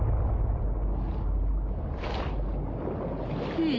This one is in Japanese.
うん？